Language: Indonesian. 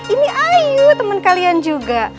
ini ayu teman kalian juga